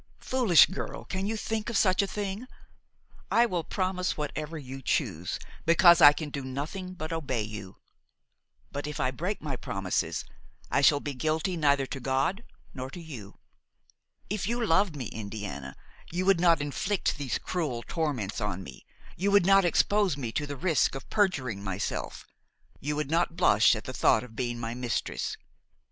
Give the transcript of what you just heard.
Foolish girl, can you think of such a thing? I will promise whatever you choose, because I can do nothing but obey you; but, if I break my promises I shall be guilty neither to God nor to you. If you loved me, Indiana, you would not inflict these cruel torments on me, you would not expose me to the risk of perjuring myself, you would not blush at the thought of being my mistress.